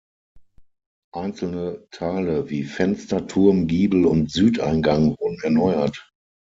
Einzelne Teile wie Fenster, Turm, Giebel und Südeingang wurden erneuert.